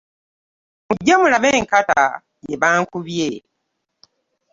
Mujje mulabe enkata gye bankubye.